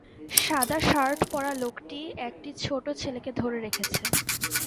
সাদা শার্ট পরা লোকটি একটি ছোট ছেলেকে ধরে রেখেছে